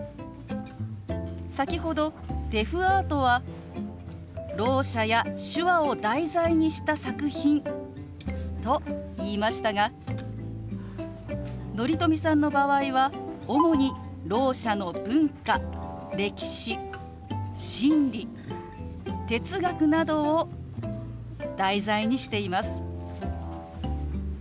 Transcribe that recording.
先ほどデフアートはろう者や手話を題材にした作品と言いましたが乘富さんの場合は主にろう者の文化歴史心理哲学などを題材にしています。